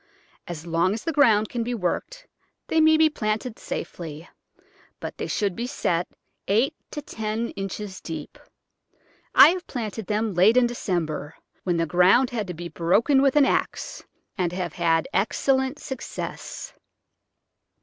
As long as the ground can be worked they may be planted safely, but they should be set eight or ten inches deep. I have planted diem late in December — when the ground had to be broken with an axe — and have had excellent success.